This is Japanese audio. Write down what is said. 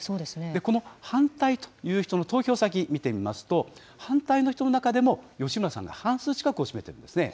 この反対という人の投票先、見てみますと、反対の人の中でも、吉村さんが半数近くを占めているんですね。